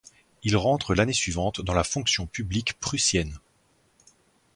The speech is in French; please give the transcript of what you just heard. Il rentre l'année suivante dans la fonction publique prussienne.